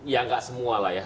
ya nggak semua lah ya